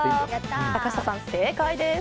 坂下さん、正解です！